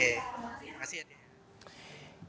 terima kasih adik